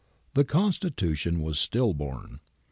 ^ The Constitution was still born.